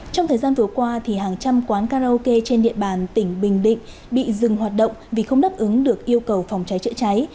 trong thời gian vừa qua hàng trăm quán karaoke trên địa bàn tỉnh bình định bị dừng hoạt động vì không đáp ứng được yêu cầu phòng cháy chữa cháy